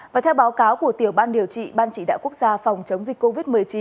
và theo báo cáo của tiểu ban điều trị ban chỉ đạo quốc gia phòng chống dịch covid một mươi chín